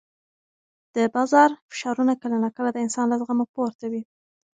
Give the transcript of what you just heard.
د بازار فشارونه کله ناکله د انسان له زغمه پورته وي.